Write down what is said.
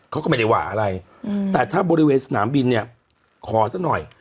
เขาก็ไม่ได้ว่าอะไรแต่ถ้าบริเวณสนามบินเนี่ยขอซะหน่อย